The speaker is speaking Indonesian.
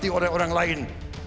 mati oleh orang lain